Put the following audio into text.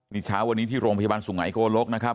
นี่เช้าวันนี้ที่โรงพยาบาลสุงหายโกลกนะครับ